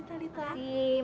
terima kasih sekali talita